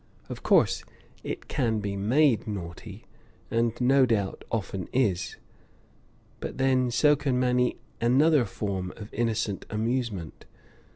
Of course it can be made naughty, and no doubt often is; but then so can many another form of innocent amusement.